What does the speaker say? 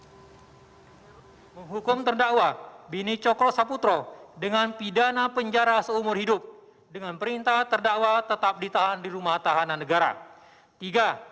menghukum terdakwa bini cokro saputro dengan pidana penjara seumur hidup dengan perintah terdakwa tetap ditahan di rumah tahanan negara tiga